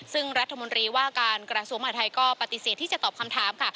ซึ่งรัฐมนตรีว่าการกระทรวงมหาทัยก็ปฏิเสธที่จะตอบคำถามค่ะ